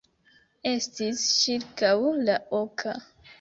Estis ĉirkaŭ la oka.